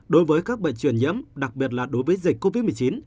đối với các bệnh truyền nhiễm đặc biệt là đối với dịch covid một mươi chín